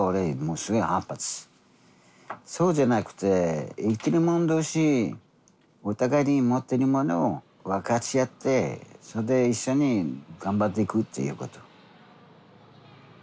そうじゃなくて生きる者同士お互いに持ってるものを分かち合ってそれで一緒に頑張っていくっていうこと。